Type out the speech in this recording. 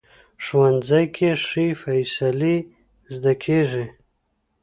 ښوونځی کې ښې فیصلې زده کېږي